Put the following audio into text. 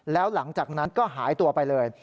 แล้วหลังจากนั้นก็หายตัวไปเลย